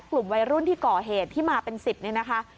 กลุ่มวัยรุ่นที่ก่อเหตุที่มาเป็น๑๐เนี่ยนะคะ